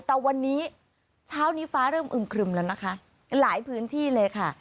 แต่วันนี้เช้านี้ฟ้าเริ่มอึมครึมแล้วนะคะหลายพื้นที่เลยค่ะ